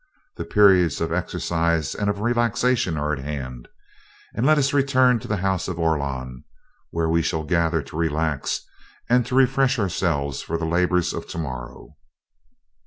The periods of exercise and of relaxation are at hand let us return to the house of Orlon, where we all shall gather to relax and to refresh ourselves for the labors of tomorrow."